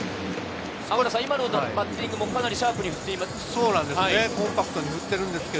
今のバッティングもシャープに振っていましたね。